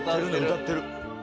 歌ってる。